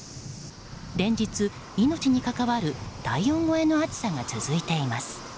連日、命に関わる体温超えの暑さが続いています。